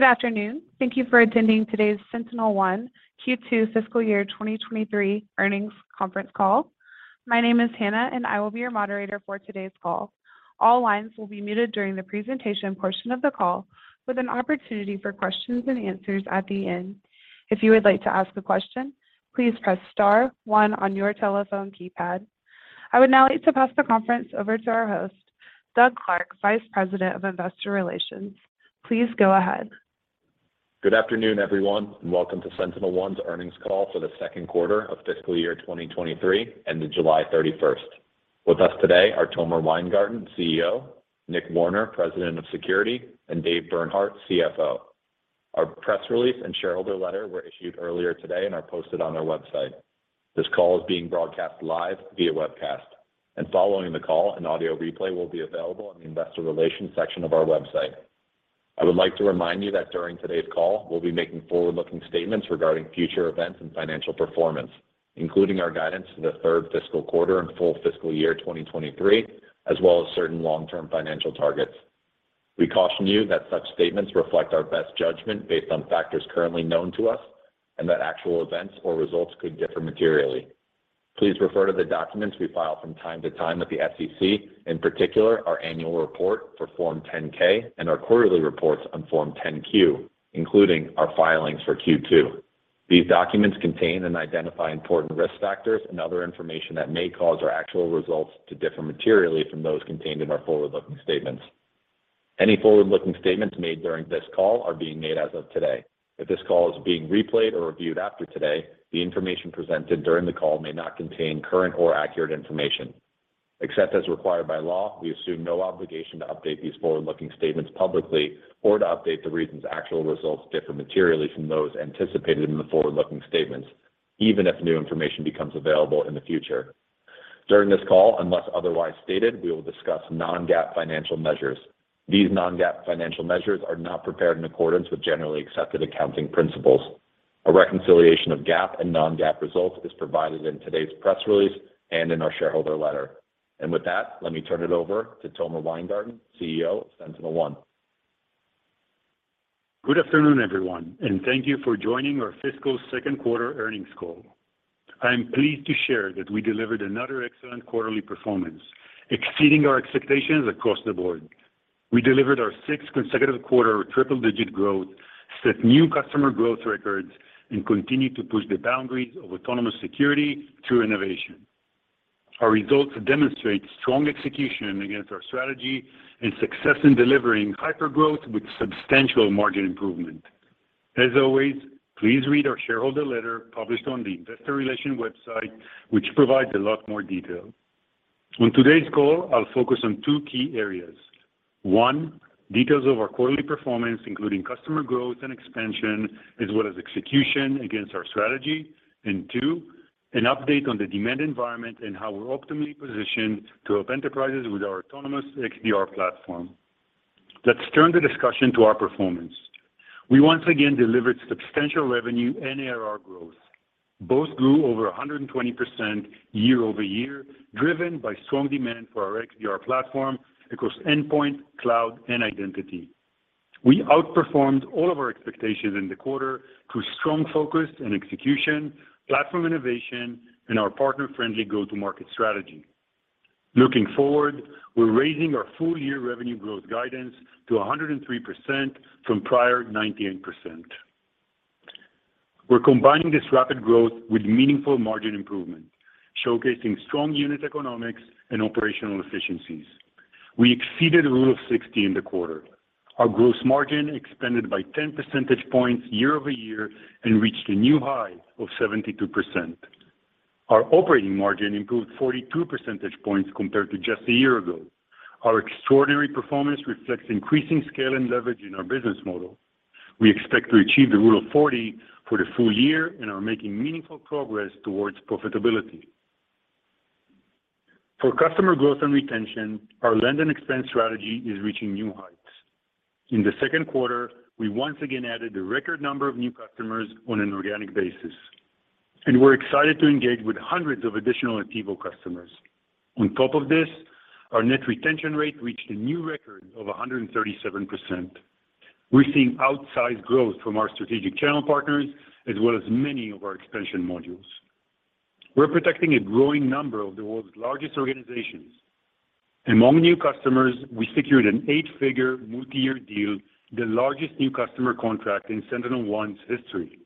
Good afternoon. Thank you for attending today's SentinelOne Q2 Fiscal Year 2023 Earnings Conference Call. My name is Hannah, and I will be your moderator for today's call. All lines will be muted during the presentation portion of the call, with an opportunity for questions and answers at the end. If you would like to ask a question, please press star one on your telephone keypad. I would now like to pass the conference over to our host, Doug Clark, Vice President of Investor Relations. Please go ahead. Good afternoon, everyone, and welcome to SentinelOne's earnings call for the second quarter of fiscal year 2023 ended July 31. With us today are Tomer Weingarten, CEO, Nick Warner, President of Security, and Dave Bernhardt, CFO. Our press release and shareholder letter were issued earlier today and are posted on our website. This call is being broadcast live via webcast. Following the call, an audio replay will be available on the investor relations section of our website. I would like to remind you that during today's call, we'll be making forward-looking statements regarding future events and financial performance, including our guidance in the third fiscal quarter and full fiscal year 2023, as well as certain long-term financial targets. We caution you that such statements reflect our best judgment based on factors currently known to us and that actual events or results could differ materially. Please refer to the documents we file from time to time with the SEC, in particular, our annual report for Form 10-K and our quarterly reports on Form 10-Q, including our filings for Q2. These documents contain and identify important risk factors and other information that may cause our actual results to differ materially from those contained in our forward-looking statements. Any forward-looking statements made during this call are being made as of today. If this call is being replayed or reviewed after today, the information presented during the call may not contain current or accurate information. Except as required by law, we assume no obligation to update these forward-looking statements publicly or to update the reasons actual results differ materially from those anticipated in the forward-looking statements, even if new information becomes available in the future. During this call, unless otherwise stated, we will discuss non-GAAP financial measures. These non-GAAP financial measures are not prepared in accordance with generally accepted accounting principles. A reconciliation of GAAP and non-GAAP results is provided in today's press release and in our shareholder letter. With that, let me turn it over to Tomer Weingarten, CEO of SentinelOne. Good afternoon, everyone, and thank you for joining our fiscal second quarter earnings call. I am pleased to share that we delivered another excellent quarterly performance, exceeding our expectations across the board. We delivered our sixth consecutive quarter triple-digit growth, set new customer growth records, and continued to push the boundaries of autonomous security through innovation. Our results demonstrate strong execution against our strategy and success in delivering hypergrowth with substantial margin improvement. As always, please read our shareholder letter published on the Investor Relations website, which provides a lot more detail. On today's call, I'll focus on two key areas. One, details of our quarterly performance, including customer growth and expansion, as well as execution against our strategy. Two, an update on the demand environment and how we're optimally positioned to help enterprises with our autonomous XDR platform. Let's turn the discussion to our performance. We once again delivered substantial revenue and ARR growth. Both grew over 120% year-over-year, driven by strong demand for our XDR platform across endpoint, cloud, and identity. We outperformed all of our expectations in the quarter through strong focus and execution, platform innovation, and our partner-friendly go-to-market strategy. Looking forward, we're raising our full-year revenue growth guidance to 103% from prior 98%. We're combining this rapid growth with meaningful margin improvement, showcasing strong unit economics and operational efficiencies. We exceeded the rule of 60 in the quarter. Our gross margin expanded by 10 percentage points year-over-year and reached a new high of 72%. Our operating margin improved 42 percentage points compared to just a year ago. Our extraordinary performance reflects increasing scale and leverage in our business model. We expect to achieve the rule of 40 for the full year and are making meaningful progress towards profitability. For customer growth and retention, our land and expand strategy is reaching new heights. In the second quarter, we once again added a record number of new customers on an organic basis, and we're excited to engage with hundreds of additional Attivo customers. On top of this, our net retention rate reached a new record of 137%. We're seeing outsized growth from our strategic channel partners as well as many of our expansion modules. We're protecting a growing number of the world's largest organizations. Among new customers, we secured an eight-figure multi-year deal, the largest new customer contract in SentinelOne's history.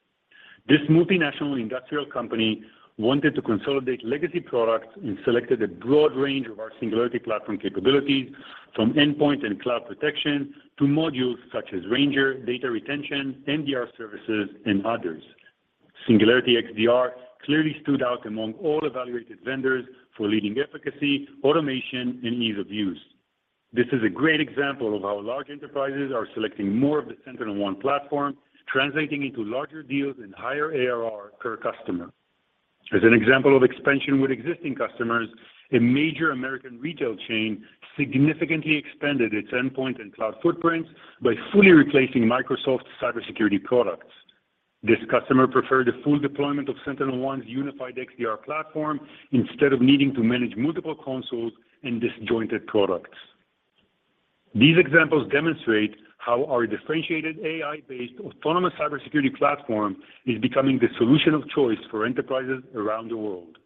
This multinational industrial company wanted to consolidate legacy products and selected a broad range of our Singularity platform capabilities from endpoint and cloud protection to modules such as Ranger, Data Retention, MDR services, and others. Singularity XDR clearly stood out among all evaluated vendors for leading efficacy, automation, and ease of use. This is a great example of how large enterprises are selecting more of the SentinelOne platform, translating into larger deals and higher ARR per customer. As an example of expansion with existing customers, a major American retail chain significantly expanded its endpoint and cloud footprint by fully replacing Microsoft cybersecurity products. This customer preferred the full deployment of SentinelOne's unified XDR platform instead of needing to manage multiple consoles and disjointed products. These examples demonstrate how our differentiated AI-based autonomous cybersecurity platform is becoming the solution of choice for enterprises around the world.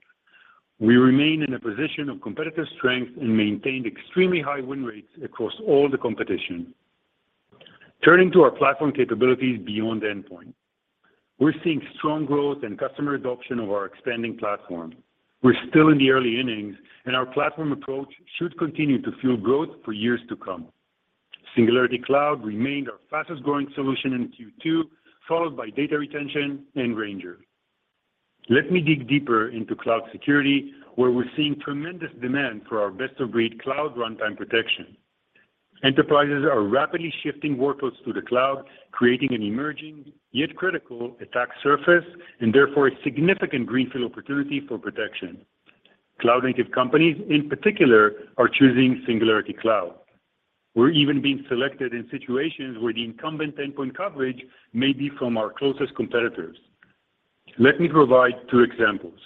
We remain in a position of competitive strength and maintained extremely high win rates across all the competition. Turning to our platform capabilities beyond endpoint. We're seeing strong growth and customer adoption of our expanding platform. We're still in the early innings, and our platform approach should continue to fuel growth for years to come. Singularity Cloud remained our fastest-growing solution in Q2, followed by Data Retention and Ranger. Let me dig deeper into cloud security, where we're seeing tremendous demand for our best-of-breed cloud runtime protection. Enterprises are rapidly shifting workloads to the cloud, creating an emerging yet critical attack surface and therefore a significant greenfield opportunity for protection. Cloud-native companies, in particular, are choosing Singularity Cloud. We're even being selected in situations where the incumbent endpoint coverage may be from our closest competitors. Let me provide two examples.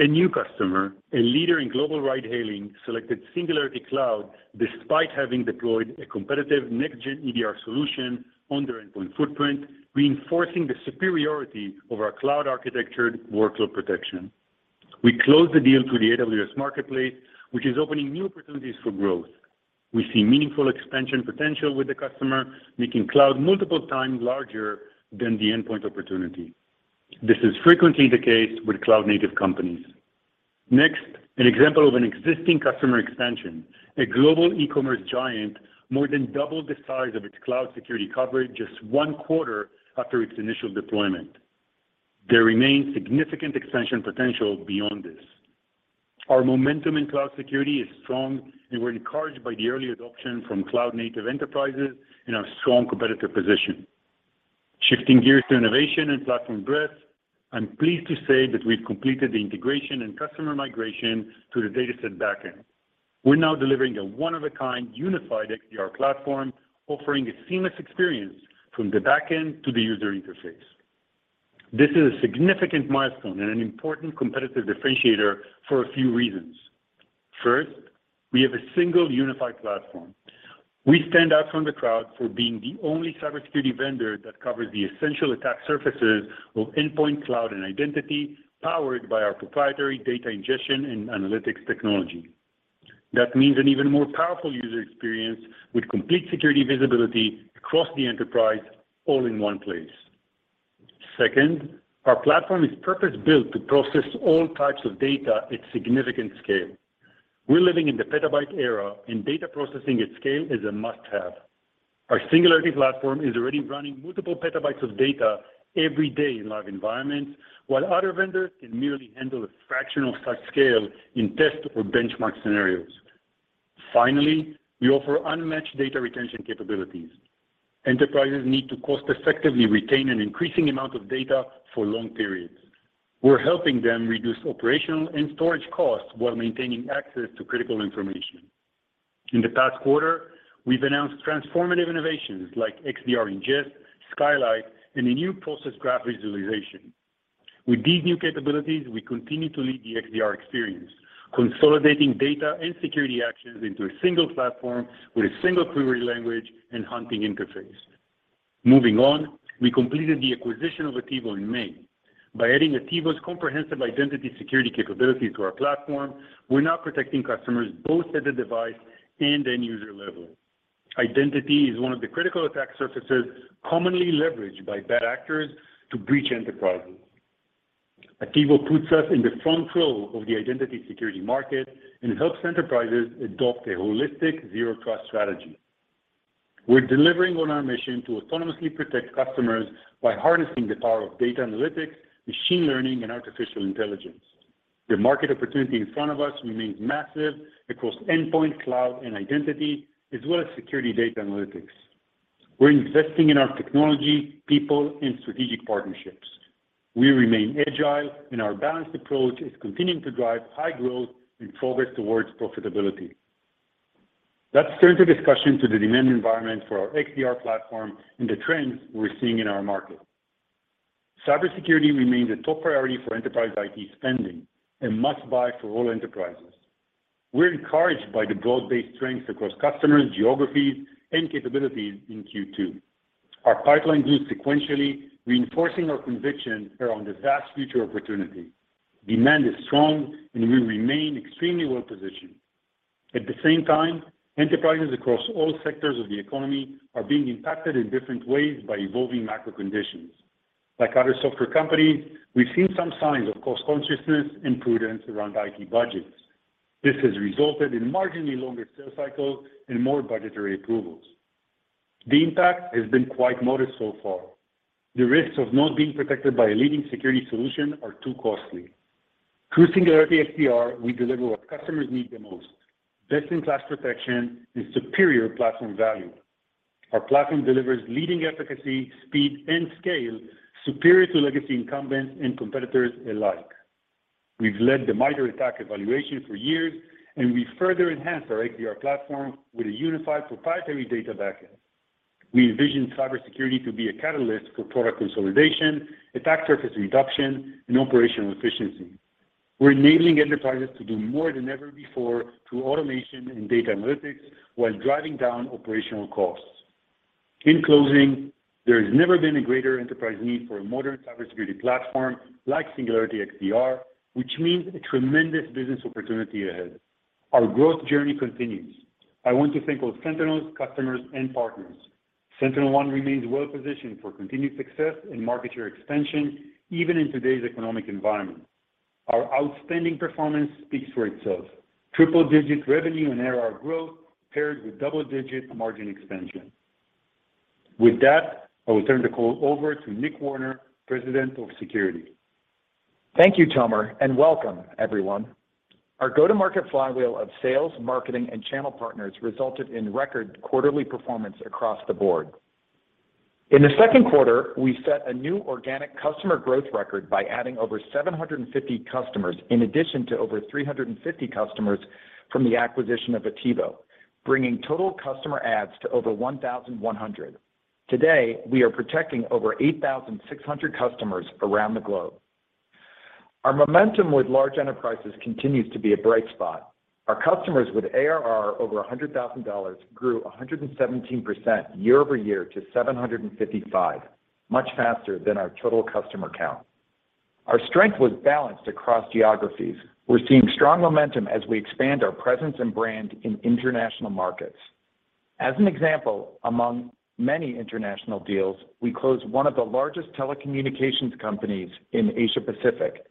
A new customer, a leader in global ride-hailing, selected Singularity Cloud despite having deployed a competitive next-gen EDR solution on their endpoint footprint, reinforcing the superiority of our cloud-architected workload protection. We closed the deal through the AWS Marketplace, which is opening new opportunities for growth. We see meaningful expansion potential with the customer, making cloud multiple times larger than the endpoint opportunity. This is frequently the case with cloud-native companies. Next, an example of an existing customer expansion. A global e-commerce giant more than doubled the size of its cloud security coverage just one quarter after its initial deployment. There remains significant expansion potential beyond this. Our momentum in cloud security is strong, and we're encouraged by the early adoption from cloud-native enterprises and our strong competitive position. Shifting gears to innovation and platform breadth, I'm pleased to say that we've completed the integration and customer migration to the DataSet backend. We're now delivering a one-of-a-kind unified XDR platform, offering a seamless experience from the backend to the user interface. This is a significant milestone and an important competitive differentiator for a few reasons. First, we have a single unified platform. We stand out from the crowd for being the only cybersecurity vendor that covers the essential attack surfaces of endpoint, cloud, and identity, powered by our proprietary data ingestion and analytics technology. That means an even more powerful user experience with complete security visibility across the enterprise all in one place. Second, our platform is purpose-built to process all types of data at significant scale. We're living in the petabyte era, and data processing at scale is a must-have. Our Singularity platform is already running multiple petabytes of data every day in live environments, while other vendors can merely handle a fraction of such scale in test or benchmark scenarios. Finally, we offer unmatched data retention capabilities. Enterprises need to cost-effectively retain an increasing amount of data for long periods. We're helping them reduce operational and storage costs while maintaining access to critical information. In the past quarter, we've announced transformative innovations like XDR Ingest, Skylight, and a new process graph visualization. With these new capabilities, we continue to lead the XDR experience, consolidating data and security actions into a single platform with a single query language and hunting interface. Moving on, we completed the acquisition of Attivo in May. By adding Attivo's comprehensive identity security capabilities to our platform, we're now protecting customers both at the device and end user level. Identity is one of the critical attack surfaces commonly leveraged by bad actors to breach enterprises. Attivo puts us in the front row of the identity security market and helps enterprises adopt a holistic zero-trust strategy. We're delivering on our mission to autonomously protect customers by harnessing the power of data analytics, machine learning, and artificial intelligence. The market opportunity in front of us remains massive across endpoint, cloud, and identity, as well as security data analytics. We're investing in our technology, people, and strategic partnerships. We remain agile, and our balanced approach is continuing to drive high growth and progress towards profitability. Let's turn the discussion to the demand environment for our XDR platform and the trends we're seeing in our market. Cybersecurity remains a top priority for enterprise IT spending, a must-buy for all enterprises. We're encouraged by the broad-based strengths across customers, geographies, and capabilities in Q2. Our pipeline grew sequentially, reinforcing our conviction around the vast future opportunity. Demand is strong, and we remain extremely well-positioned. At the same time, enterprises across all sectors of the economy are being impacted in different ways by evolving macro conditions. Like other software companies, we've seen some signs of cost consciousness and prudence around IT budgets. This has resulted in marginally longer sales cycles and more budgetary approvals. The impact has been quite modest so far. The risks of not being protected by a leading security solution are too costly. Through Singularity XDR, we deliver what customers need the most. Best-in-class protection and superior platform value. Our platform delivers leading efficacy, speed, and scale superior to legacy incumbents and competitors alike. We've led the MITRE ATT&CK Evaluation for years, and we further enhanced our XDR platform with a unified proprietary data backend. We envision cybersecurity to be a catalyst for product consolidation, attack surface reduction, and operational efficiency. We're enabling enterprises to do more than ever before through automation and data analytics while driving down operational costs. In closing, there has never been a greater enterprise need for a modern cybersecurity platform like Singularity XDR, which means a tremendous business opportunity ahead. Our growth journey continues. I want to thank all Sentinels, customers, and partners. SentinelOne remains well-positioned for continued success and market share expansion, even in today's economic environment. Our outstanding performance speaks for itself. Triple-digit revenue and ARR growth paired with double-digit margin expansion. With that, I will turn the call over to Nick Warner, President of Security. Thank you, Tomer, and welcome, everyone. Our go-to-market flywheel of sales, marketing, and channel partners resulted in record quarterly performance across the board. In the second quarter, we set a new organic customer growth record by adding over 750 customers in addition to over 350 customers from the acquisition of Attivo, bringing total customer adds to over 1,100. Today, we are protecting over 8,600 customers around the globe. Our momentum with large enterprises continues to be a bright spot. Our customers with ARR over $100,000 grew 117% year-over-year to 755, much faster than our total customer count. Our strength was balanced across geographies. We're seeing strong momentum as we expand our presence and brand in international markets. As an example, among many international deals, we closed one of the largest telecommunications companies in Asia Pacific,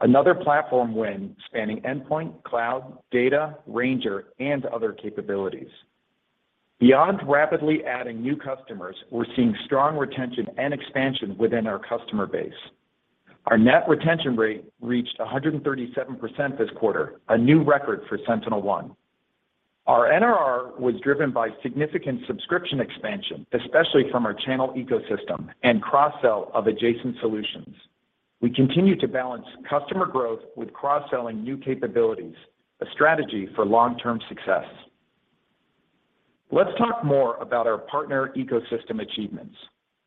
another platform win spanning endpoint, cloud, data, Ranger, and other capabilities. Beyond rapidly adding new customers, we're seeing strong retention and expansion within our customer base. Our net retention rate reached 137% this quarter, a new record for SentinelOne. Our NRR was driven by significant subscription expansion, especially from our channel ecosystem and cross-sell of adjacent solutions. We continue to balance customer growth with cross-selling new capabilities, a strategy for long-term success. Let's talk more about our partner ecosystem achievements.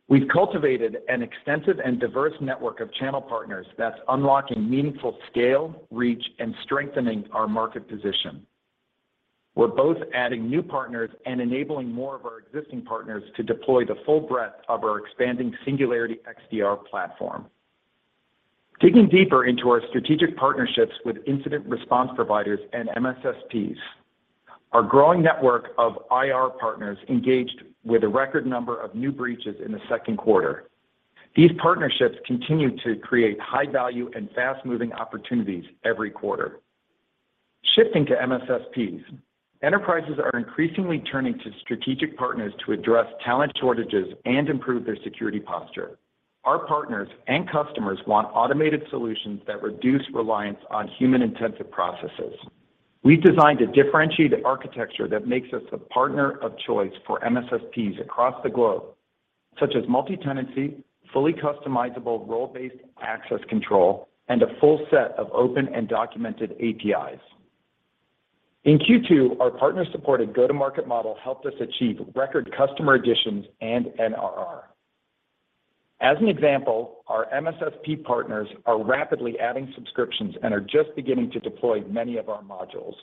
We've cultivated an extensive and diverse network of channel partners that's unlocking meaningful scale, reach, and strengthening our market position. We're both adding new partners and enabling more of our existing partners to deploy the full breadth of our expanding Singularity XDR platform. Digging deeper into our strategic partnerships with incident response providers and MSSPs, our growing network of IR partners engaged with a record number of new breaches in the second quarter. These partnerships continue to create high value and fast-moving opportunities every quarter. Shifting to MSSPs, enterprises are increasingly turning to strategic partners to address talent shortages and improve their security posture. Our partners and customers want automated solutions that reduce reliance on human-intensive processes. We've designed a differentiated architecture that makes us a partner of choice for MSSPs across the globe, such as multi-tenancy, fully customizable role-based access control, and a full set of open and documented APIs. In Q2, our partner-supported go-to-market model helped us achieve record customer additions and NRR. As an example, our MSSP partners are rapidly adding subscriptions and are just beginning to deploy many of our modules.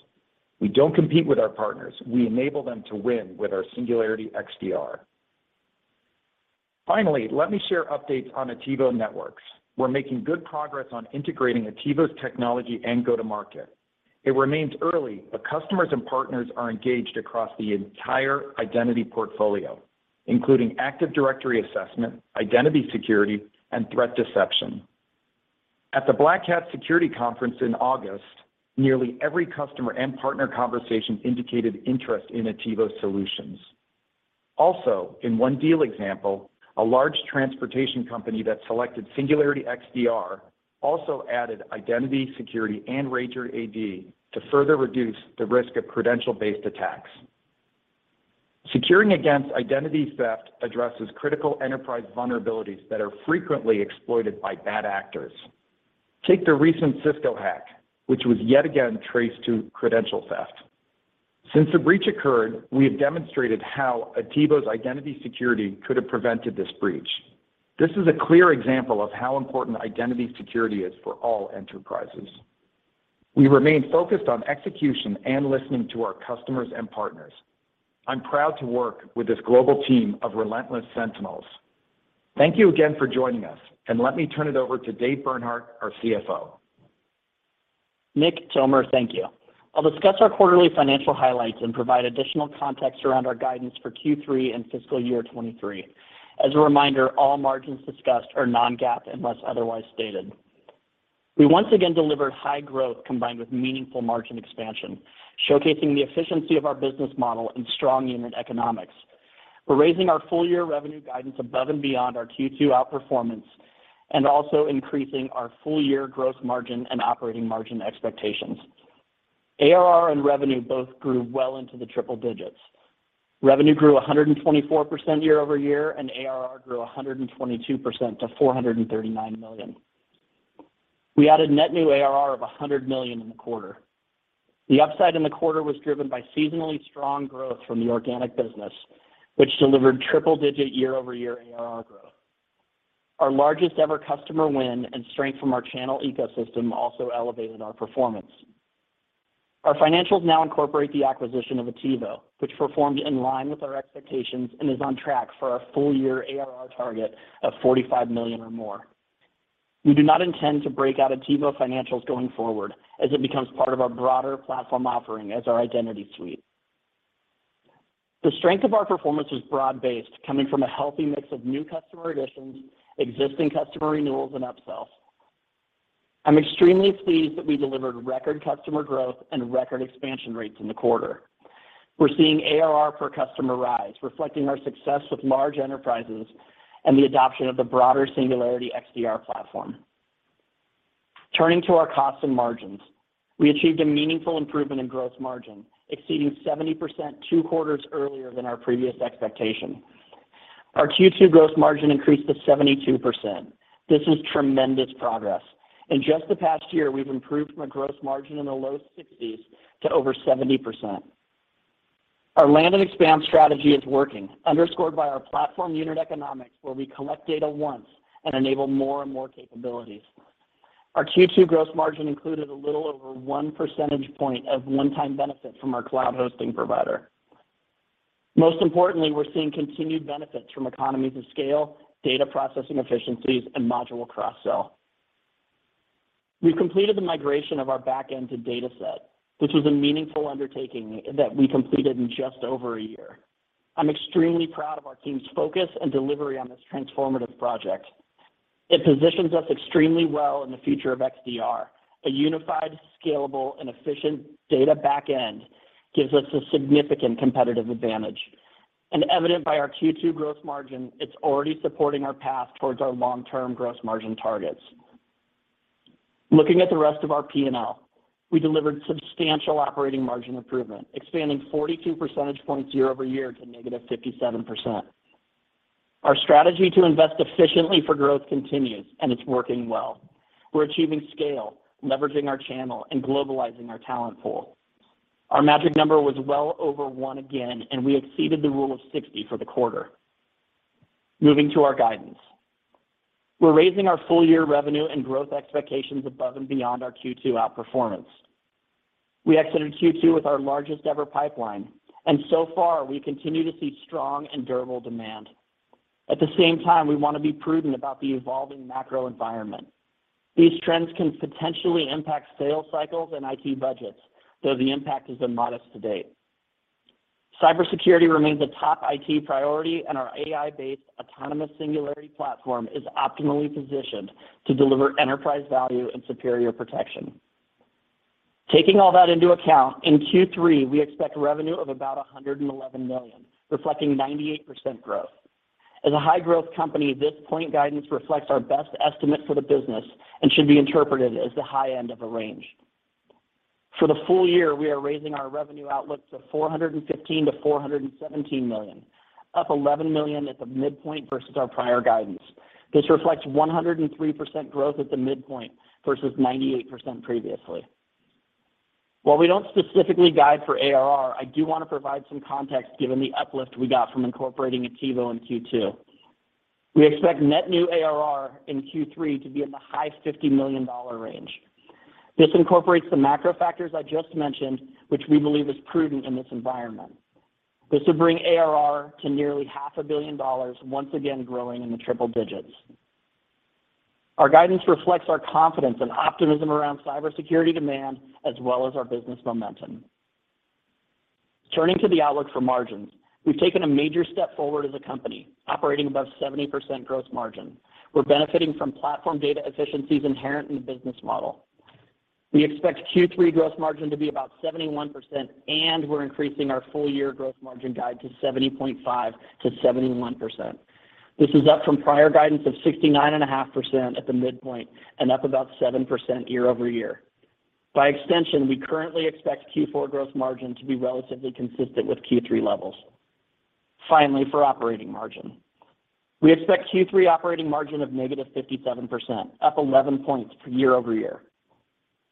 We don't compete with our partners. We enable them to win with our Singularity XDR. Finally, let me share updates on Attivo Networks. We're making good progress on integrating Attivo's technology and go-to-market. It remains early, but customers and partners are engaged across the entire identity portfolio, including Active Directory assessment, identity security, and threat deception. At the Black Hat security conference in August, nearly every customer and partner conversation indicated interest in Attivo Networks. Also, in one deal example, a large transportation company that selected Singularity XDR also added identity security and Ranger AD to further reduce the risk of credential-based attacks. Securing against identity theft addresses critical enterprise vulnerabilities that are frequently exploited by bad actors. Take the recent Cisco hack, which was yet again traced to credential theft. Since the breach occurred, we have demonstrated how Attivo's identity security could have prevented this breach. This is a clear example of how important identity security is for all enterprises. We remain focused on execution and listening to our customers and partners. I'm proud to work with this global team of relentless Sentinels. Thank you again for joining us, and let me turn it over to Dave Bernhardt, our CFO. Nick, Tomer, thank you. I'll discuss our quarterly financial highlights and provide additional context around our guidance for Q3 and fiscal year 2023. As a reminder, all margins discussed are non-GAAP unless otherwise stated. We once again delivered high growth combined with meaningful margin expansion, showcasing the efficiency of our business model and strong unit economics. We're raising our full year revenue guidance above and beyond our Q2 outperformance and also increasing our full year gross margin and operating margin expectations. ARR and revenue both grew well into the triple digits. Revenue grew 124% year-over-year, and ARR grew 122% to $439 million. We added net new ARR of $100 million in the quarter. The upside in the quarter was driven by seasonally strong growth from the organic business, which delivered triple-digit year-over-year ARR growth. Our largest-ever customer win and strength from our channel ecosystem also elevated our performance. Our financials now incorporate the acquisition of Attivo, which performed in line with our expectations and is on track for our full year ARR target of $45 million or more. We do not intend to break out Attivo financials going forward as it becomes part of our broader platform offering as our identity suite. The strength of our performance is broad-based, coming from a healthy mix of new customer additions, existing customer renewals, and upsells. I'm extremely pleased that we delivered record customer growth and record expansion rates in the quarter. We're seeing ARR per customer rise, reflecting our success with large enterprises and the adoption of the broader Singularity XDR platform. Turning to our costs and margins, we achieved a meaningful improvement in gross margin, exceeding 70% two quarters earlier than our previous expectation. Our Q2 gross margin increased to 72%. This is tremendous progress. In justthe past year, we've improved from a gross margin in the low 60%s to over 70%. Our land and expand strategy is working, underscored by our platform unit economics, where we collect data once and enable more and more capabilities. Our Q2 gross margin included a little over 1 percentage point of one-time benefit from our cloud hosting provider. Most importantly, we're seeing continued benefits from economies of scale, data processing efficiencies, and module cross-sell. We've completed the migration of our backend to DataSet, which was a meaningful undertaking that we completed in just over a year. I'm extremely proud of our team's focus and delivery on this transformative project. It positions us extremely well in the future of XDR. A unified, scalable, and efficient data backend gives us a significant competitive advantage. Evident by our Q2 gross margin, it's already supporting our path towards our long-term gross margin targets. Looking at the rest of our P&L, we delivered substantial operating margin improvement, expanding 42 percentage points year-over-year to -57%. Our strategy to invest efficiently for growth continues, and it's working well. We're achieving scale, leveraging our channel, and globalizing our talent pool. Our magic number was well over one again, and we exceeded the rule of 60 for the quarter. Moving to our guidance. We're raising our full year revenue and growth expectations above and beyond our Q2 outperformance. We exited Q2 with our largest-ever pipeline, and so far, we continue to see strong and durable demand. At the same time, we want to be prudent about the evolving macro environment. These trends can potentially impact sales cycles and IT budgets, though the impact has been modest to date. Cybersecurity remains a top IT priority, and our AI-based autonomous Singularity platform is optimally positioned to deliver enterprise value and superior protection. Taking all that into account, in Q3, we expect revenue of about $111 million, reflecting 98% growth. As a high-growth company, this point guidance reflects our best estimate for the business and should be interpreted as the high end of a range. For the full year, we are raising our revenue outlook to $415 million-$417 million, up $11 million at the midpoint versus our prior guidance. This reflects 103% growth at the midpoint versus 98% previously. While we don't specifically guide for ARR, I do want to provide some context given the uplift we got from incorporating Attivo in Q2. We expect net new ARR in Q3 to be in the high $50 million range. This incorporates the macro factors I just mentioned, which we believe is prudent in this environment. This would bring ARR to nearly $0.5 Billion, once again growing in the triple digits. Our guidance reflects our confidence and optimism around cybersecurity demand as well as our business momentum. Turning to the outlook for margins. We've taken a major step forward as a company, operating above 70% gross margin. We're benefiting from platform data efficiencies inherent in the business model. We expect Q3 gross margin to be about 71%, and we're increasing our full year gross margin guide to 70.5%-71%. This is up from prior guidance of 69.5% at the midpoint and up about 7% year-over-year. By extension, we currently expect Q4 growth margin to be relatively consistent with Q3 levels. Finally, for operating margin, we expect Q3 operating margin of -57%, up 11 points year-over-year.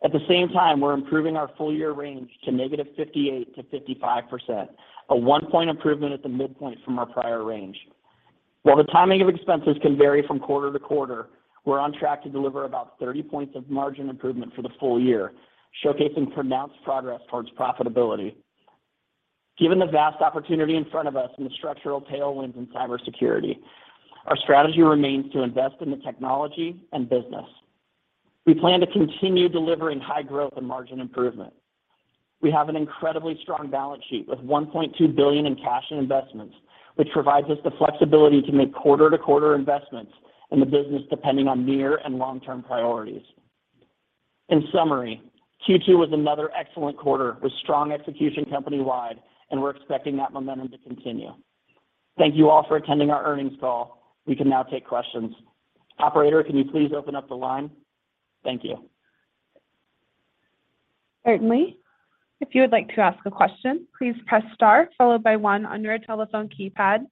At the same time, we're improving our full year range to -58% to 55%, a one point improvement at the midpoint from our prior range. While the timing of expenses can vary from quarter to quarter, we're on track to deliver about 30 points of margin improvement for the full year, showcasing pronounced progress towards profitability. Given the vast opportunity in front of us and the structural tailwinds in cybersecurity, our strategy remains to invest in the technology and business. We plan to continue delivering high growth and margin improvement. We have an incredibly strong balance sheet with $1.2 billion in cash and investments, which provides us the flexibility to make quarter-to-quarter investments in the business depending on near and long-term priorities. In summary, Q2 was another excellent quarter with strong execution company-wide, and we're expecting that momentum to continue. Thank you all for attending our earnings call. We can now take questions. Operator, can you please open up the line? Thank you. Certainly. If you would like to ask a question, please press star followed by one on your telephone keypad.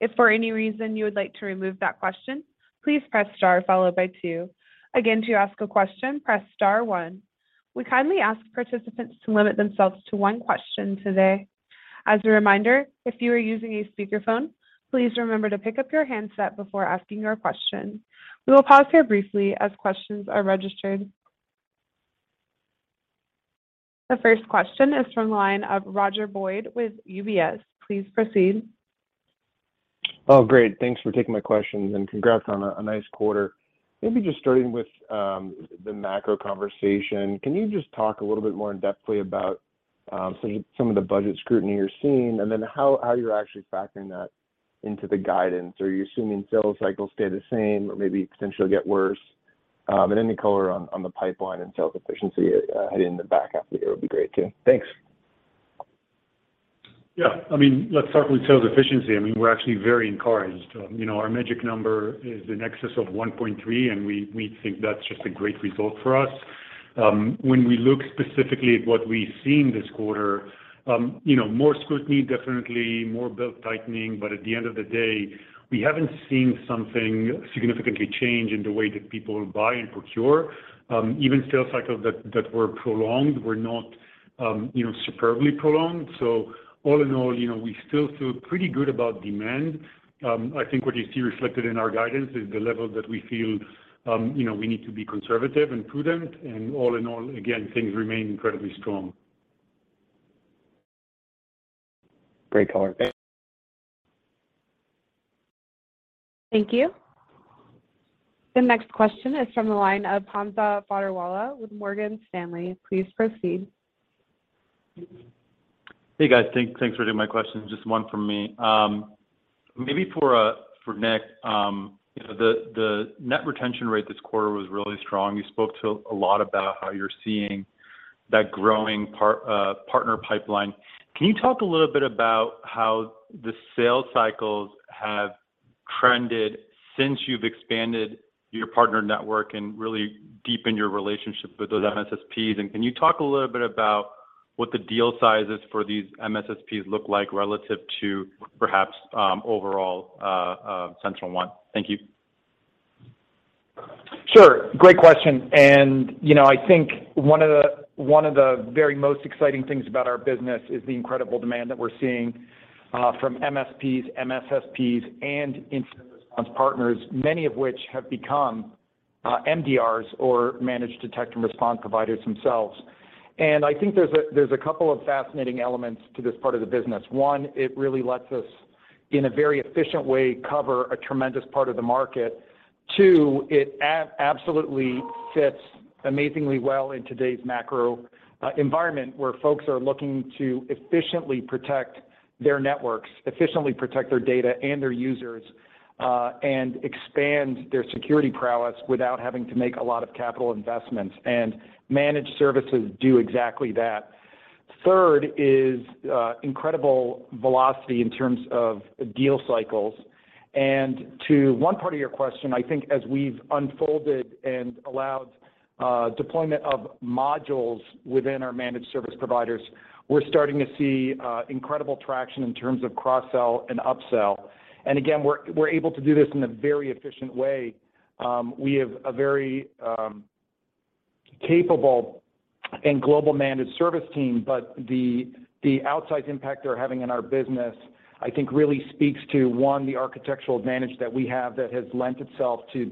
If for any reason you would like to remove that question, please press star followed by two. Again, to ask a question, press star one. We kindly ask participants to limit themselves to one question today. As a reminder, if you are using a speakerphone, please remember to pick up your handset before asking your question. We will pause here briefly as questions are registered. The first question is from the line of Roger Boyd with UBS. Please proceed. Oh, great. Thanks for taking my questions and congrats on a nice quarter. Maybe just starting with the macro conversation. Can you just talk a little bit more in depth about some of the budget scrutiny you're seeing, and then how you're actually factoring that into the guidance? Are you assuming sales cycles stay the same or maybe potentially get worse? And any color on the pipeline and sales efficiency heading into the back half of the year would be great too. Thanks. Yeah. I mean, let's start with sales efficiency. I mean, we're actually very encouraged. You know, our magic number is in excess of $1.3 billion, and we think that's just a great result for us. When we look specifically at what we've seen this quarter, you know, more scrutiny, definitely more belt-tightening, but at the end of the day, we haven't seen something significantly change in the way that people buy and procure. Even sales cycles that were prolonged were not, you know, superbly prolonged. So all in all, you know, we still feel pretty good about demand. I think what you see reflected in our guidance is the level that we feel, you know, we need to be conservative and prudent, and all in all, again, things remain incredibly strong. Great call. Thank you. The next question is from the line of Hamza Fodderwala with Morgan Stanley. Please proceed. Hey, guys. Thanks for taking my questions. Just one from me. Maybe for Nick. You know, the net retention rate this quarter was really strong. You spoke to a lot about how you're seeing that growing partner pipeline. Can you talk a little bit about how the sales cycles have trended since you've expanded your partner network and really deepened your relationship with those MSSPs? Can you talk a little bit about what the deal sizes for these MSSPs look like relative to perhaps overall SentinelOne? Thank you. Sure. Great question. You know, I think one of the very most exciting things about our business is the incredible demand that we're seeing from MSPs, MSSPs, and incident response partners, many of which have become MDRs or managed detection and response providers themselves. I think there's a couple of fascinating elements to this part of the business. One, it really lets us, in a very efficient way, cover a tremendous part of the market. Two, it absolutely fits amazingly well in today's macro environment, where folks are looking to efficiently protect their networks, efficiently protect their data and their users, and expand their security prowess without having to make a lot of capital investments. Managed services do exactly that. Third is incredible velocity in terms of deal cycles. To one part of your question, I think as we've unfolded and allowed deployment of modules within our managed service providers, we're starting to see incredible traction in terms of cross-sell and upsell. Again, we're able to do this in a very efficient way. We have a very capable and global managed service team, but the outsized impact they're having in our business, I think, really speaks to, one, the architectural advantage that we have that has lent itself to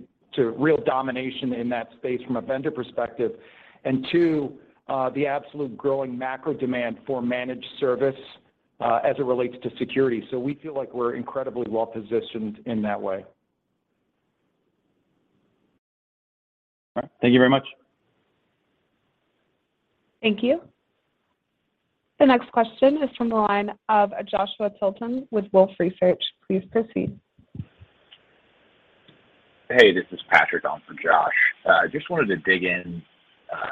real domination in that space from a vendor perspective, and two, the absolute growing macro demand for managed service as it relates to security. We feel like we're incredibly well-positioned in that way. All right. Thank you very much. Thank you. The next question is from the line of Joshua Tilton with Wolfe Research. Please proceed. Hey, this is Patrick on for Josh. Just wanted to dig in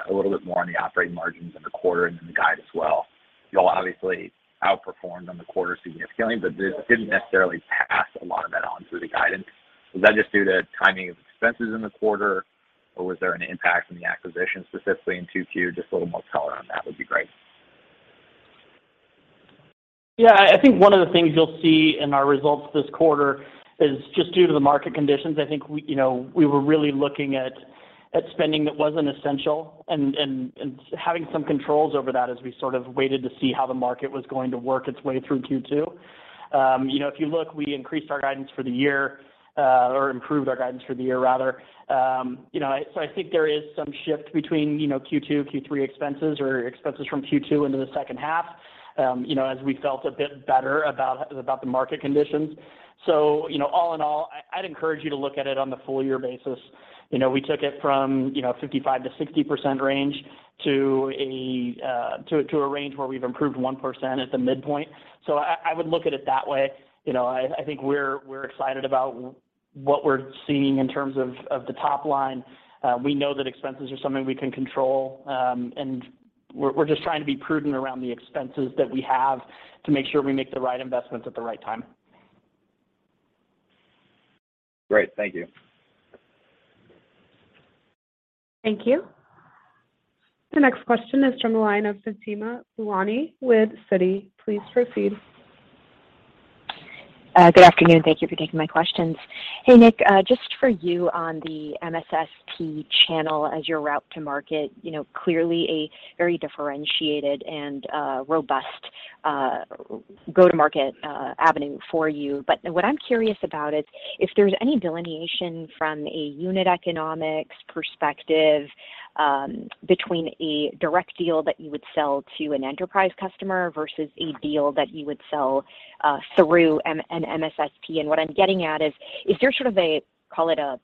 a little bit more on the operating margins in the quarter and then the guide as well. Y'all obviously outperformed on the quarter significantly, but this didn't necessarily pass a lot of that on through the guidance. Was that just due to timing of expenses in the quarter, or was there an impact from the acquisition specifically in 2Q? Just a little more color on that would be great. Yeah. I think one of the things you'll see in our results this quarter is just due to the market conditions. I think we, you know, were really looking at spending that wasn't essential and having some controls over that as we sort of waited to see how the market was going to work its way through Q2. You know, if you look, we increased our guidance for the year or improved our guidance for the year rather. You know, I think there is some shift between, you know, Q2, Q3 expenses or expenses from Q2 into the second half, you know, as we felt a bit better about the market conditions. You know, all in all, I'd encourage you to look at it on the full year basis. You know, we took it from 55%-60% range to a range where we've improved 1% at the midpoint. I would look at it that way. You know, I think we're excited about what we're seeing in terms of the top line. We know that expenses are something we can control, and we're just trying to be prudent around the expenses that we have to make sure we make the right investments at the right time. Great. Thank you. Thank you. The next question is from the line of Fatima Boolani with Citi. Please proceed. Good afternoon. Thank you for taking my questions. Hey, Nick, just for you on the MSSP channel as your route to market, you know, clearly a very differentiated and robust go-to-market avenue for you. What I'm curious about is if there's any delineation from a unit economics perspective between a direct deal that you would sell to an enterprise customer versus a deal that you would sell through an MSSP. What I'm getting at is there sort of a call it a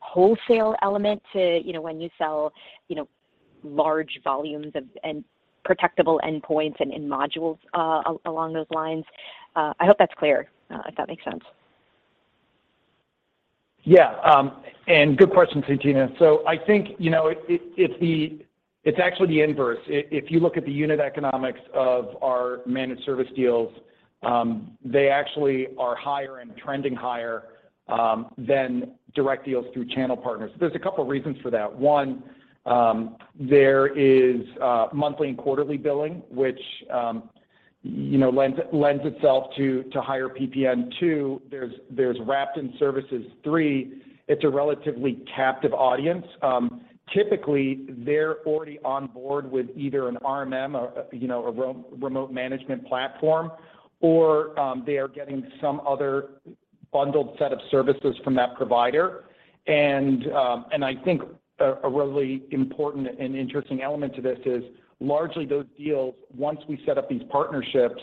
wholesale element to, you know, when you sell, you know, large volumes of protectable endpoints and modules along those lines? I hope that's clear if that makes sense. Yeah. Good question, Fatima. I think, you know, it it's actually the inverse. If you look at the unit economics of our managed service deals, they actually are higher and trending higher than direct deals through channel partners. There's a couple reasons for that. One, there is monthly and quarterly billing, which, you know, lends itself to higher ASP. Two, there's wrapped-in services. Three, it's a relatively captive audience. Typically, they're already on board with either an RMM, a remote management platform, or they are getting some other bundled set of services from that provider. I think a really important and interesting element to this is largely those deals, once we set up these partnerships,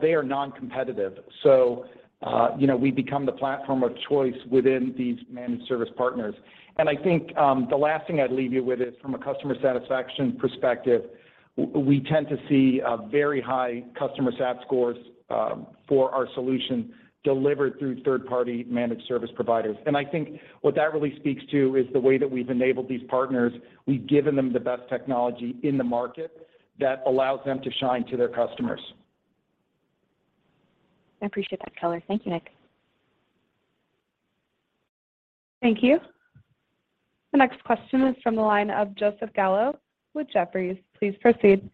they are non-competitive. You know, we become the platform of choice within these managed service partners. I think the last thing I'd leave you with is from a customer satisfaction perspective, we tend to see very high customer sat scores for our solution delivered through third-party managed service providers. I think what that really speaks to is the way that we've enabled these partners. We've given them the best technology in the market that allows them to shine to their customers. I appreciate that color. Thank you, Nick. Thank you. The next question is from the line of Joseph Gallo with Jefferies. Please proceed.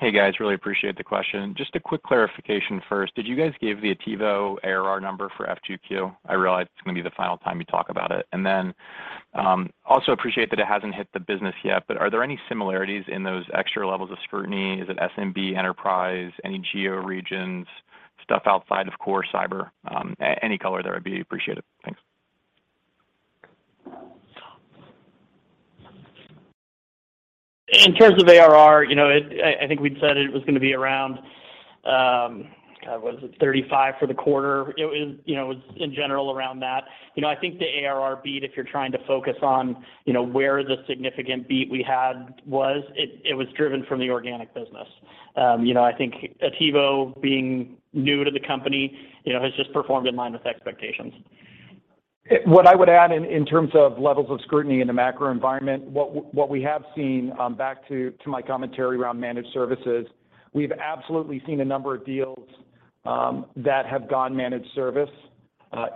Hey, guys. Really appreciate the question. Just a quick clarification first. Did you guys give the Attivo ARR number for FQ2? I realize it's gonna be the final time you talk about it. Also appreciate that it hasn't hit the business yet, but are there any similarities in those extra levels of scrutiny? Is it SMB enterprise, any geo regions, stuff outside of core cyber? Any color there would be appreciated. Thanks. In terms of ARR, you know, I think we'd said it was gonna be around, was it $35 for the quarter? It was, you know, in general around that. You know, I think the ARR beat, if you're trying to focus on, you know, where the significant beat we had was, it was driven from the organic business. You know, I think Attivo being new to the company, you know, has just performed in line with expectations. What I would add in terms of levels of scrutiny in the macro environment, what we have seen, back to my commentary around managed services, we've absolutely seen a number of deals that have gone managed service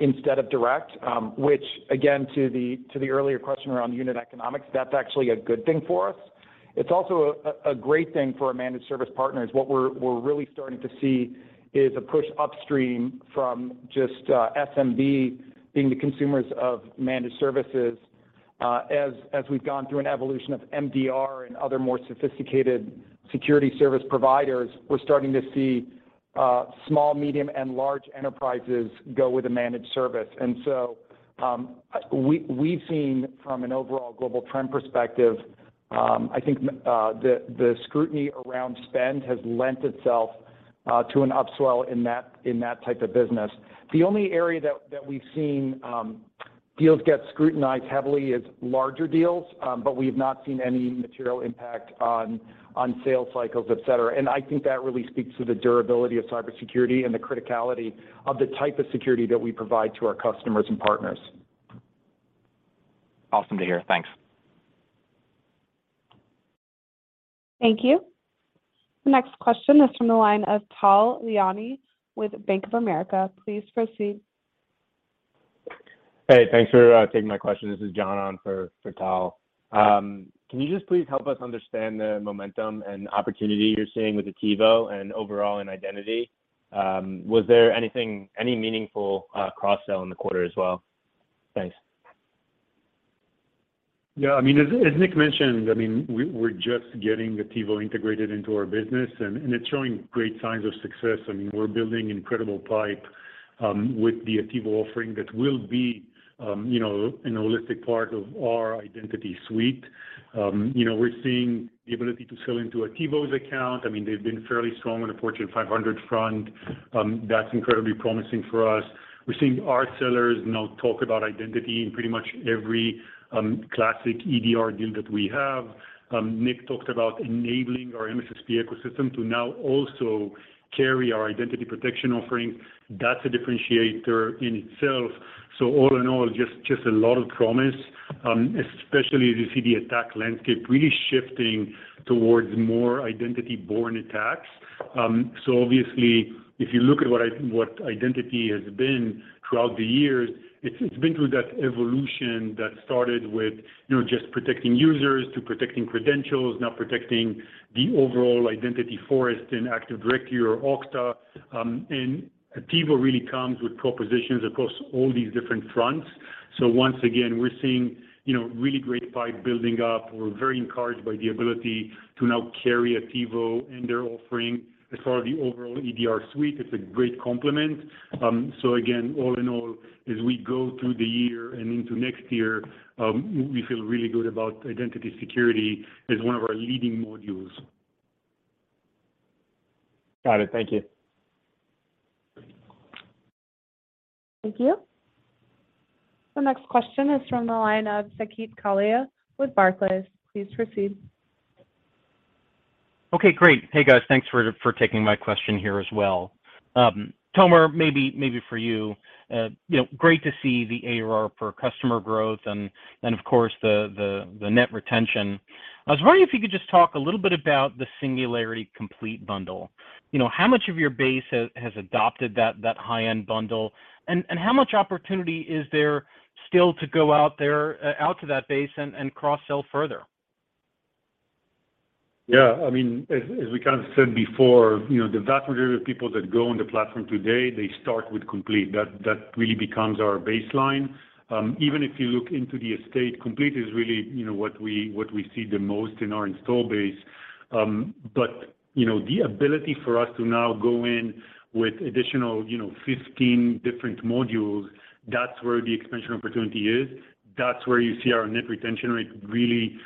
instead of direct, which again, to the earlier question around unit economics, that's actually a good thing for us. It's also a great thing for our managed service partners. What we're really starting to see is a push upstream from just SMB being the consumers of managed services. As we've gone through an evolution of MDR and other more sophisticated security service providers, we're starting to see small, medium, and large enterprises go with a managed service. We've seen from an overall global trend perspective, I think, the scrutiny around spend has lent itself to an upswell in that type of business. The only area that we've seen deals get scrutinized heavily is larger deals, but we've not seen any material impact on sales cycles, et cetera. I think that really speaks to the durability of cybersecurity and the criticality of the type of security that we provide to our customers and partners. Awesome to hear. Thanks. Thank you. The next question is from the line of Tal Liani with Bank of America. Please proceed. Hey, thanks for taking my question. This is John on for Tal. Can you just please help us understand the momentum and opportunity you're seeing with Attivo and overall in identity? Was there any meaningful cross-sell in the quarter as well? Thanks. Yeah. I mean, as Nick mentioned, I mean, we're just getting Attivo integrated into our business and it's showing great signs of success. I mean, we're building incredible pipeline with the Attivo offering that will be, you know, a holistic part of our identity suite. You know, we're seeing the ability to sell into Attivo's account. I mean, they've been fairly strong on the Fortune 500 front. That's incredibly promising for us. We're seeing our sellers now talk about identity in pretty much every classic EDR deal that we have. Nick talked about enabling our MSSP ecosystem to now also carry our identity protection offering. That's a differentiator in itself. All in all, just a lot of promise, especially as you see the attack landscape really shifting towards more identity-borne attacks. Obviously if you look at what identity has been throughout the years, it's been through that evolution that started with, you know, just protecting users to protecting credentials, now protecting the overall identity forest in Active Directory or Okta. Attivo really comes with propositions across all these different fronts. Once again, we're seeing, you know, really great pipe building up. We're very encouraged by the ability to now carry Attivo and their offering as far as the overall EDR suite. It's a great complement. Again, all in all, as we go through the year and into next year, we feel really good about identity security as one of our leading modules. Got it. Thank you. Thank you. The next question is from the line of Saket Kalia with Barclays. Please proceed. Okay, great. Hey guys. Thanks for taking my question here as well. Tomer, maybe for you know, great to see the ARR per customer growth and of course, the net retention. I was wondering if you could just talk a little bit about the Singularity Complete bundle. You know, how much of your base has adopted that high-end bundle, and how much opportunity is there still to go out there, out to that base and cross-sell further? Yeah, I mean, as we kind of said before, you know, the vast majority of people that go on the platform today, they start with Complete, that really becomes our baseline. Even if you look into the estate, Complete is really, you know, what we see the most in our install base. You know, the ability for us to now go in with additional, you know, 15 different modules, that's where the expansion opportunity is. That's where you see our net retention rate really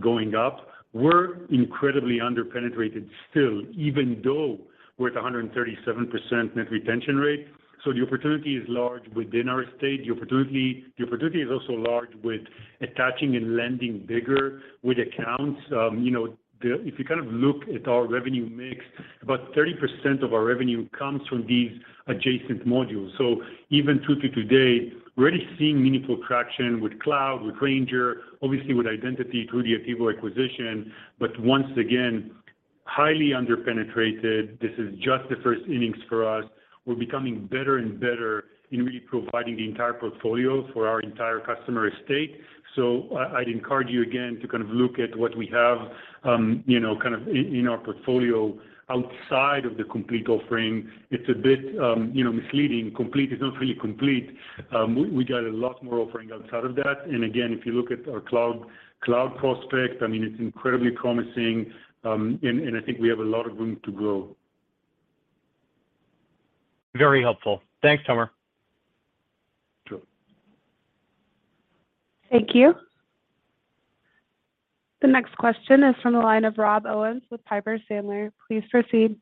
going up. We're incredibly under-penetrated still, even though we're at 137% net retention rate. The opportunity is large within our estate. The opportunity is also large with attaching and landing bigger with accounts. If you kind of look at our revenue mix, about 30% of our revenue comes from these adjacent modules. Even up to today, we're already seeing meaningful traction with Cloud, with Ranger, obviously with Identity through the Attivo acquisition, but once again, highly under-penetrated. This is just the first innings for us. We're becoming better and better in really providing the entire portfolio for our entire customer estate. I'd encourage you again to kind of look at what we have, you know, kind of in our portfolio outside of the Complete offering. It's a bit, you know, misleading. Complete is not really complete. We got a lot more offering outside of that. Again, if you look at our Cloud prospects, I mean, it's incredibly promising. And I think we have a lot of room to grow. Very helpful. Thanks, Tomer. Sure. Thank you. The next question is from the line of Rob Owens with Piper Sandler. Please proceed.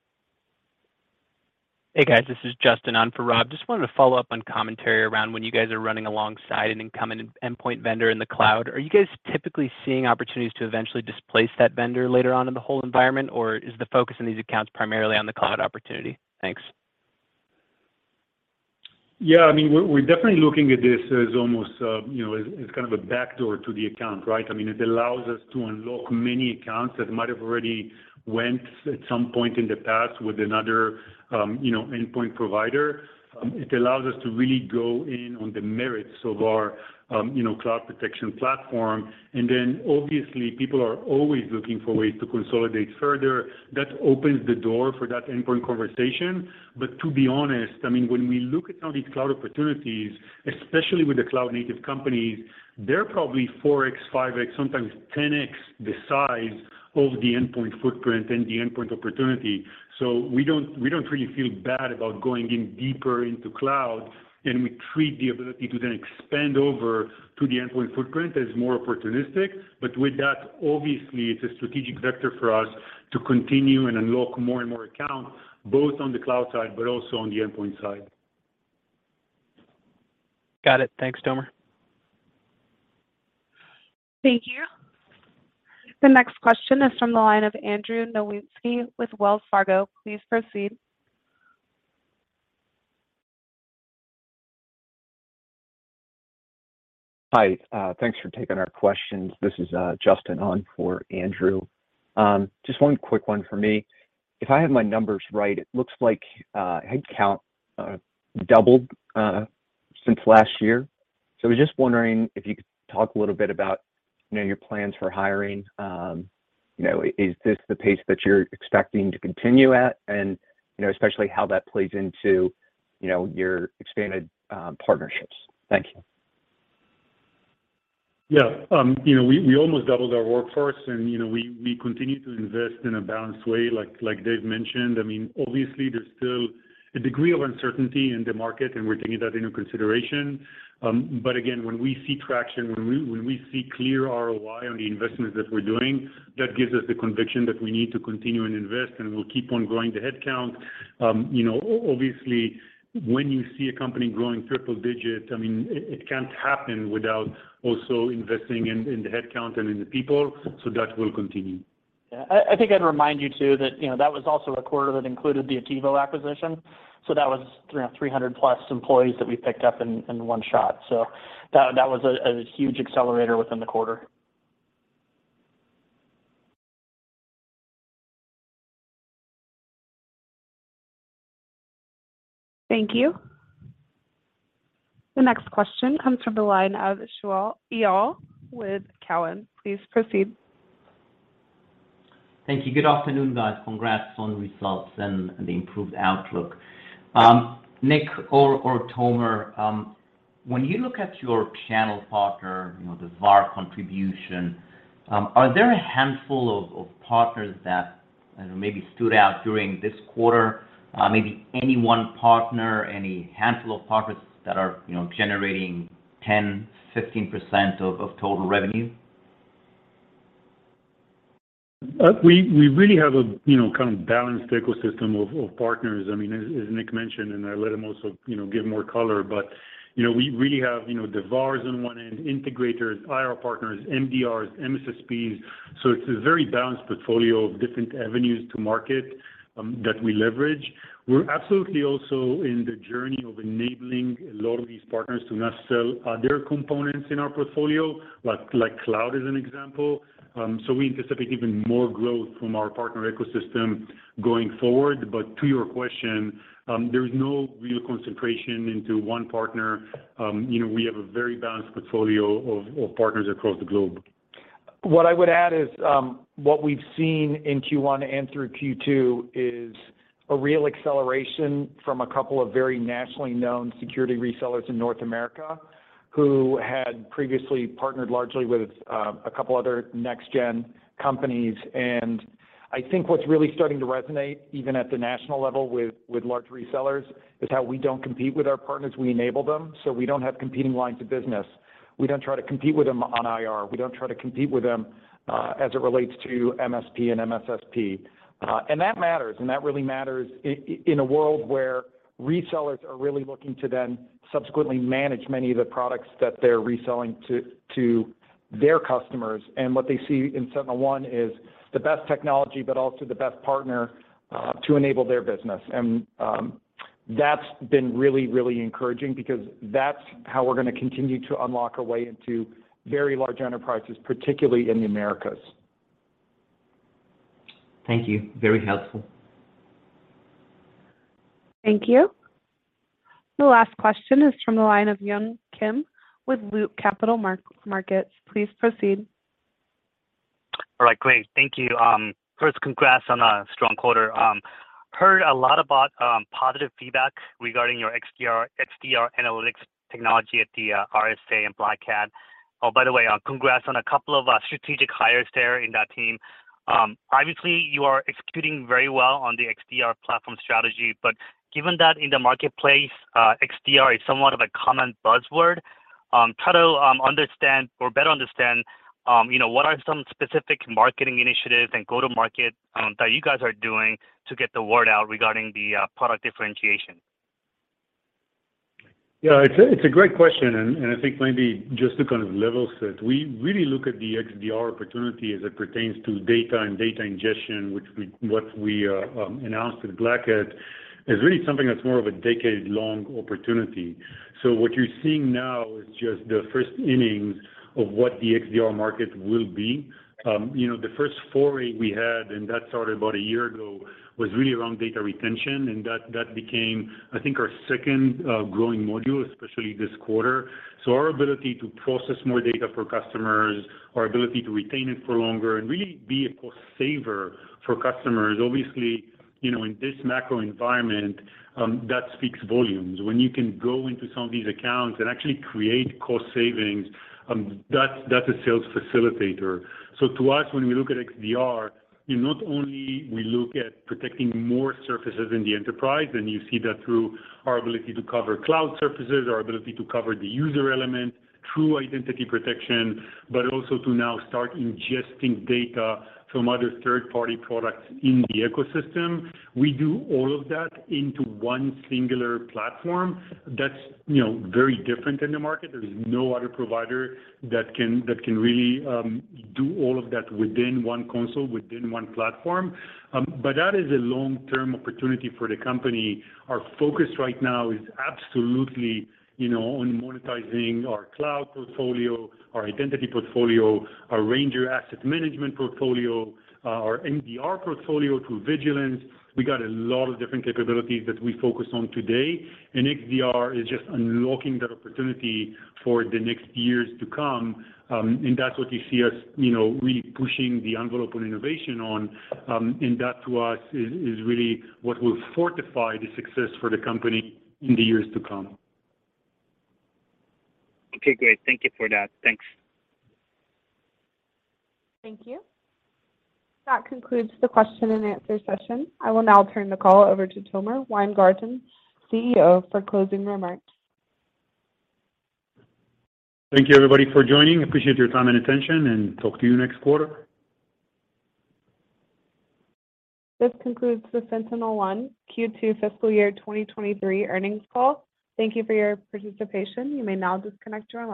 Hey guys, this is Justin on for Rob. Just wanted to follow up on commentary around when you guys are running alongside an incumbent endpoint vendor in the cloud. Are you guys typically seeing opportunities to eventually displace that vendor later on in the whole environment, or is the focus in these accounts primarily on the cloud opportunity? Thanks. Yeah, I mean, we're definitely looking at this as almost as kind of a backdoor to the account, right? I mean, it allows us to unlock many accounts that might have already went at some point in the past with another endpoint provider. It allows us to really go in on the merits of our cloud protection platform. Then obviously, people are always looking for ways to consolidate further. That opens the door for that endpoint conversation. To be honest, I mean, when we look at some of these cloud opportunities, especially with the cloud-native companies, they're probably 4x, 5x, sometimes 10x the size of the endpoint footprint and the endpoint opportunity. We don't really feel bad about going in deeper into cloud, and we treat the ability to then expand over to the endpoint footprint as more opportunistic. With that, obviously, it's a strategic vector for us to continue and unlock more and more accounts, both on the cloud side, but also on the endpoint side. Got it. Thanks, Tomer. Thank you. The next question is from the line of Andrew Nowinski with Wells Fargo. Please proceed. Hi, thanks for taking our questions. This is Justin on for Andrew. Just one quick one for me. If I have my numbers right, it looks like headcount doubled since last year. I was just wondering if you could talk a little bit about your plans for hiring. You know, is this the pace that you're expecting to continue at? You know, especially how that plays into your expanded partnerships. Thank you. Yeah. You know, we almost doubled our workforce and, you know, we continue to invest in a balanced way, like Dave mentioned. I mean, obviously there's still a degree of uncertainty in the market, and we're taking that into consideration. Again, when we see traction, when we see clear ROI on the investments that we're doing, that gives us the conviction that we need to continue and invest, and we'll keep on growing the headcount. You know, obviously when you see a company growing triple digit, I mean, it can't happen without also investing in the headcount and in the people. That will continue. Yeah. I think I'd remind you too that, you know, that was also a quarter that included the Attivo acquisition, so that was, you know, 300+ employees that we picked up in one shot. So that was a huge accelerator within the quarter. Thank you. The next question comes from the line of Shaul Eyal with Cowen. Please proceed. Thank you. Good afternoon, guys. Congrats on the results and the improved outlook. Nick or Tomer, when you look at your channel partner, you know, the VAR contribution, are there a handful of partners that, I don't know, maybe stood out during this quarter? Maybe any one partner, any handful of partners that are, you know, generating 10%, 15% of total revenue? We really have a, you know, kind of balanced ecosystem of partners. I mean, as Nick mentioned, and I let him also, you know, give more color. You know, we really have, you know, the VARs on one end, integrators, IR partners, MDRs, MSSPs. It's a very balanced portfolio of different avenues to market that we leverage. We're absolutely also in the journey of enabling a lot of these partners to now sell their components in our portfolio, like cloud as an example. We anticipate even more growth from our partner ecosystem going forward. To your question, there's no real concentration into one partner. You know, we have a very balanced portfolio of partners across the globe. What I would add is, what we've seen in Q1 and through Q2 is a real acceleration from a couple of very nationally known security resellers in North America who had previously partnered largely with a couple other next-gen companies. I think what's really starting to resonate, even at the national level with large resellers, is how we don't compete with our partners, we enable them. We don't have competing lines of business. We don't try to compete with them on IR. We don't try to compete with them as it relates to MSP and MSSP. That matters, and that really matters in a world where resellers are really looking to then subsequently manage many of the products that they're reselling to their customers. What they see in SentinelOne is the best technology, but also the best partner to enable their business. That's been really encouraging because that's how we're gonna continue to unlock our way into very large enterprises, particularly in the Americas. Thank you. Very helpful. Thank you. The last question is from the line of Yun Kim with Loop Capital Markets. Please proceed. All right, great. Thank you. First, congrats on a strong quarter. Heard a lot about positive feedback regarding your XDR analytics technology at the RSA and Black Hat. Oh, by the way, congrats on a couple of strategic hires there in that team. Obviously, you are executing very well on the XDR platform strategy. Given that in the marketplace, XDR is somewhat of a common buzzword, try to understand or better understand, you know, what are some specific marketing initiatives and go-to-market that you guys are doing to get the word out regarding the product differentiation. Yeah, it's a great question, and I think maybe just to kind of level set. We really look at the XDR opportunity as it pertains to data and data ingestion, which we announced at Black Hat, is really something that's more of a decade-long opportunity. What you're seeing now is just the first innings of what the XDR market will be. You know, the first foray we had, and that started about a year ago, was really around data retention, and that became, I think our second growing module, especially this quarter. Our ability to process more data for customers, our ability to retain it for longer and really be a cost saver for customers. Obviously, you know, in this macro environment, that speaks volumes. When you can go into some of these accounts and actually create cost savings, that's a sales facilitator. To us, when we look at XDR, you know, not only we look at protecting more surfaces in the enterprise, and you see that through our ability to cover cloud surfaces, our ability to cover the user element through identity protection, but also to now start ingesting data from other third-party products in the ecosystem. We do all of that into one singular platform that's, you know, very different in the market. There is no other provider that can really do all of that within one console, within one platform. That is a long-term opportunity for the company. Our focus right now is absolutely, you know, on monetizing our cloud portfolio, our identity portfolio, our Ranger asset management portfolio, our MDR portfolio through Vigilance. We got a lot of different capabilities that we focus on today. XDR is just unlocking that opportunity for the next years to come. That's what you see us, you know, really pushing the envelope on innovation on. That to us is really what will fortify the success for the company in the years to come. Okay, great. Thank you for that. Thanks. Thank you. That concludes the question and answer session. I will now turn the call over to Tomer Weingarten, CEO, for closing remarks. Thank you, everybody, for joining. Appreciate your time and attention, and talk to you next quarter. This concludes the SentinelOne Q2 fiscal year 2023 earnings call. Thank you for your participation. You may now disconnect your lines.